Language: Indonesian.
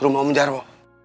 rumah om jarwo